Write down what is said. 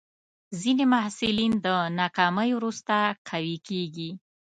ځینې محصلین د ناکامۍ وروسته قوي کېږي.